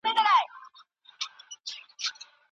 د پرمختګ لپاره د ټولنیزې اړیکو اړوند پوهیدل ضروري دي.